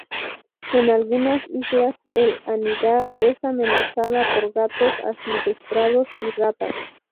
En algunas islas, al anidar es amenazada por gatos asilvestrados y ratas.